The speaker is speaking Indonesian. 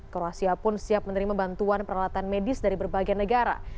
kroasia pun siap menerima bantuan peralatan medis dari berbagai negara